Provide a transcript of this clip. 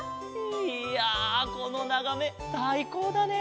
いやこのながめさいこうだね！